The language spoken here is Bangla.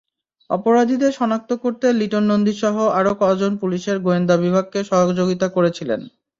আপরাধীদের শনাক্ত করতে লিটন নন্দীসহ আরও কজন পুলিশের গোয়েন্দা বিভাগকে সহযোগিতা করেছিলেন।